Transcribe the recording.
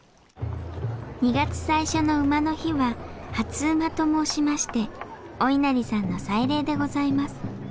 ２月最初の午の日は初午と申しましてお稲荷さんの祭礼でございます。